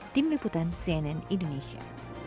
tim liputan cnn indonesia